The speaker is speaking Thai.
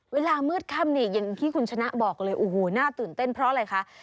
เวลามืดค่ำนี่อย่างที่คุณชนะบอกเลยโอ้โหน่าตื่นเต้นเพราะอะไรคะ